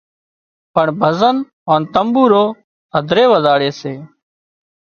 پڻ ڀزن هانَ تمٻورو هڌري وزاڙي سي